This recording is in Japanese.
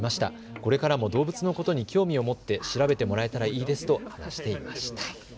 これからも動物のことに興味を持って調べてもらえたらいいですと話していました。